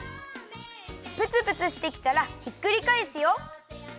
プツプツしてきたらひっくりかえすよ。